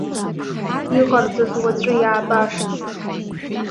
Иҟарҵаз уаҵәы иаабашт.